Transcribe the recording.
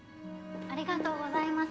ありがとうございます。